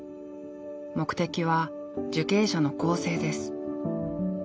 目的は受刑者の更生です。